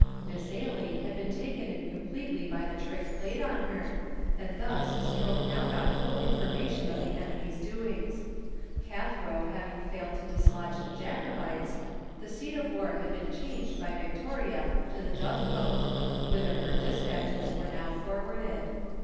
Miss Ailie had been taken in completely by the trick played on her, and thus Stroke now got full information of the enemy's doings. Cathro having failed to dislodge the Jacobites, the seat of war had been changed by Victoria to the Dovecot, whither her despatches were now forwarded.